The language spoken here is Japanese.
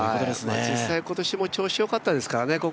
実際今年も調子良かったですからね。